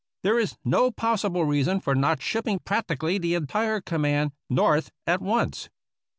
There is no possible z8o APPENDIX C reason for not shipping practically the entire command North at once.